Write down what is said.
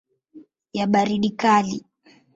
ya baridi kali.